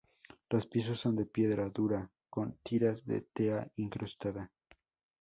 Los pisos son de piedra dura con tiras de tea incrustada.